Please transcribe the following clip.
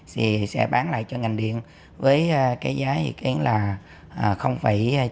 thì sẽ bán lại cho ngành điện với cái giá ý kiến là chín mươi năm cent